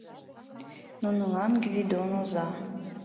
Нунылан Гвидон оза